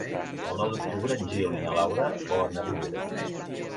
El nou d'octubre en Gil i na Laura volen anar a Bovera.